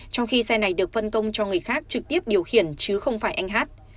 trong khi xe này được phân công cho người khác trực tiếp điều khiển chứ không phải anh hát